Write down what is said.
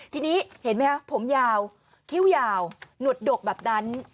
ทีนี้เห็นไหมครับผมยาวคิ้วยาวหนวดดกแบบนั้น